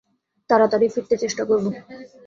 তাড়াতাড়িই ফিরতে চেষ্টা করব।